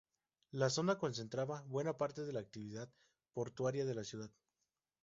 La zona concentraba buena parte de la actividad portuaria de la ciudad.